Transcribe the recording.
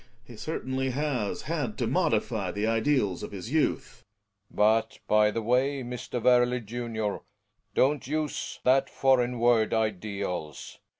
He certainly has had to modify the id eals of his youth. Belling. But, by the way, Mr. Werle, junior — don't use that foreign word "ideals.'